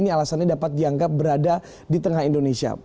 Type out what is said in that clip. ini alasannya dapat dianggap berada di tengah indonesia